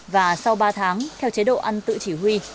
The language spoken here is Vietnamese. và sau ba tháng theo chế độ ăn tự chỉ huy